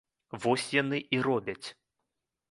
Вось яны і робяць.